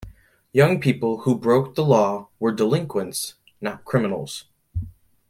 Young people who broke the law were "delinquents," not criminals.